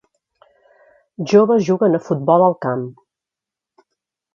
Joves juguen a futbol al camp.